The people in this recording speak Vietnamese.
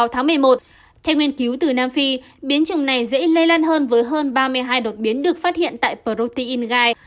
tháng một mươi một theo nghiên cứu từ nam phi biến chủng này dễ lây lan hơn với hơn ba mươi hai đột biến được phát hiện tại protein gai